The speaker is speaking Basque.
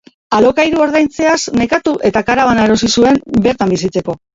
Alokairua ordaintzeaz nekatu eta karabana erosi zuen bertan bizitzeko.